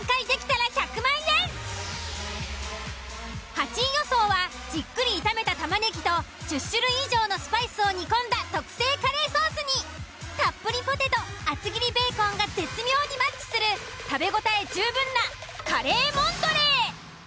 ８位予想はじっくり炒めたたまねぎと１０種類以上のスパイスを煮込んだ特製カレーソースにたっぷりポテト厚切りベーコンが絶妙にマッチする食べ応え十分なカレーモントレー。